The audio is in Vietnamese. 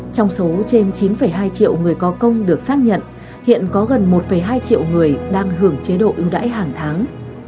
trong số trên chín hai triệu người có công được xác nhận hiện có gần một hai triệu người đang hưởng chế độ ưu đãi hàng tháng